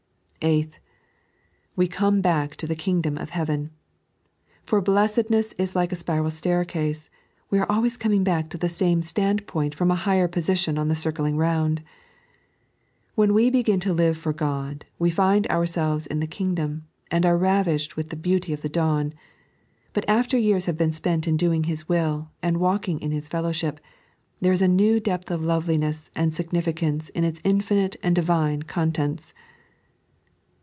Eighth, vie come back to ike Kingdom of Heaven, For blessedness is like a spiral 'staircase, we are always coming back to the same standpoint^from a higher position on the circling round. When we begin to live for God we find ourselves in the Kingdom, and are ravished with the beauty of the dawn ; but after years have been spent in doing His will, and walking in His fellowship, there is a new depth of loveliness and significance in its infinite and Divine con tents.